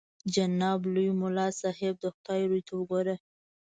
جناب لوی ملا صاحب د خدای روی ته وګوره.